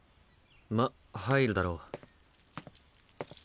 まっ入るだろ。